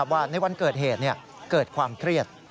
ว่าในวันเกิดเหตุเกิดความเครียด